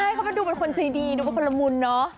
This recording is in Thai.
ใช่เขาก็ดูเป็นคนใจดีดูเป็นคนละมุนเนอะ